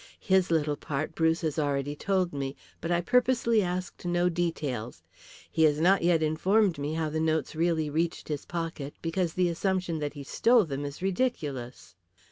His little part Bruce has already told me, but I purposely asked no details. He has not yet informed me how the notes really reached his pocket, because the assumption that he stole them is ridiculous."